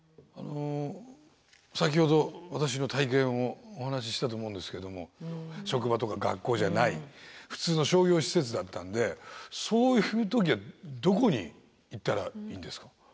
あの先ほど私の体験をお話ししたと思うんですけども職場とか学校じゃない普通の商業施設だったんでそういう時はどこに行ったらいいんですか？